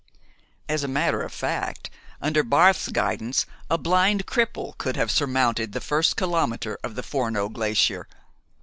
As a matter of fact, under Barth's guidance, a blind cripple could have surmounted the first kilometer of the Forno glacier.